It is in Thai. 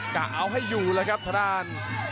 กะเอาให้อยู่แล้วครับทางด้าน